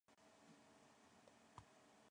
今夜の晩御飯は何ですか？